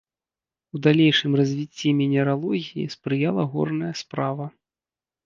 У далейшым развіцці мінералогіі спрыяла горная справа.